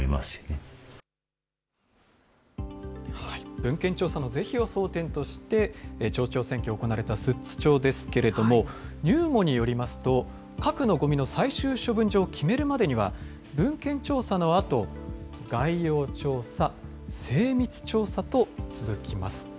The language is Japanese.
文献調査の是非を争点として、町長選挙が行われた寿都町ですけれども、ＮＵＭＯによりますと、核のごみの最終処分場を決めるまでには、文献調査のあと、概要調査、精密調査と続きます。